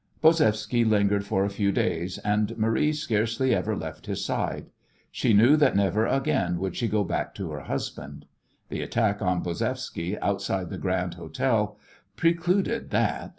Bozevsky lingered for a few days, and Marie scarcely ever left his side. She knew that never again would she go back to her husband. The attack on Bozevsky outside the Grand Hotel precluded that.